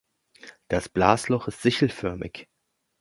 Das Blasloch ist sichelförmig.